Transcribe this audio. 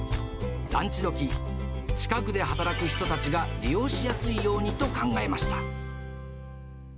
ランチどき、近くで働く人たちが利用しやすいようにと考えました。